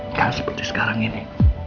bukan seperti sekarang ini